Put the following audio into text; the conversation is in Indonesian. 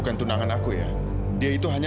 kamu tidak kenal sama saya